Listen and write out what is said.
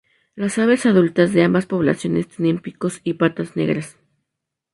Las aves adultas de ambas poblaciones tienen picos y patas negras.